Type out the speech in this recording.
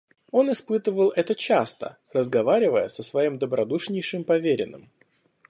Он испытывал это часто, разговаривая со своим добродушнейшим поверенным.